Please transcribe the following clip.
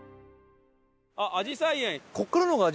あっあじさい園。